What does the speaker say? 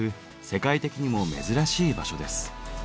世界的にも珍しい場所です。